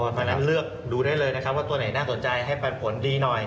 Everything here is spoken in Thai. เพราะฉะนั้นเลือกดูได้เลยนะครับว่าตัวไหนน่าสนใจให้ปันผลดีหน่อย